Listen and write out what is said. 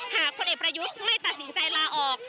คนเอกประยุทธ์ไม่ตัดสินใจลาออก